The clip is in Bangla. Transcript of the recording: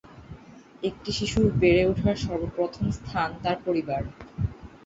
একটি শিশুর বেড়ে ওঠার সর্ব প্রথম স্থান তার পরিবার।